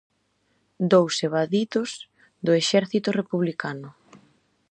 Dous evadidos do exército republicano.